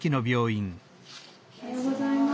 おはようございます。